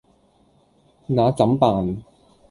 那怎辦